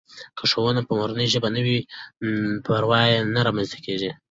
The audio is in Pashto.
که ښوونه په مورنۍ ژبه وي نو بې پروایي نه رامنځته کېږي.